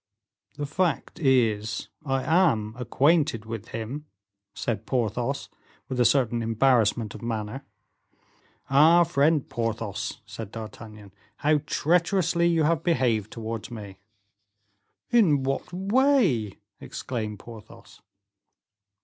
"The fact is, I am acquainted with him," said Porthos, with a certain embarrassment of manner. "Ah, friend Porthos," said D'Artagnan, "how treacherously you have behaved towards me." "In what way?" exclaimed Porthos.